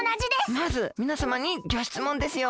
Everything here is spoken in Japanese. まずみなさまにギョしつもんですよ。